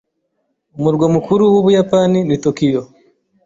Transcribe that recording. Umurwa mukuru w'Ubuyapani ni Tokiyo.